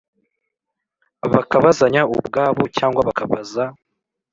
bakabazanya ubwabo cyangwa bakabaza